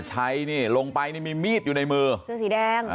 ใช้ลงไปมีมีดอยู่ในมือ